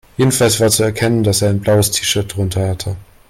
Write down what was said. Jedenfalls war zu erkennen, dass er ein blaues T-Shirt drunter hatte.